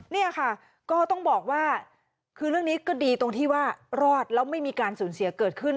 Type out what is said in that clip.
เนี่ยค่ะก็ต้องบอกว่าคือเรื่องนี้ก็ดีตรงที่ว่ารอดแล้วไม่มีการสูญเสียเกิดขึ้น